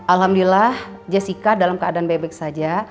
alhamdulillah jessica dalam keadaan baik baik saja